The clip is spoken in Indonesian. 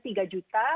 impresinya tiga juta